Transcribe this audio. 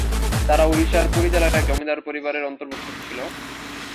তারা ওড়িশার পুরী জেলার এক জমিদারী পরিবারের অন্তর্ভুক্ত ছিল।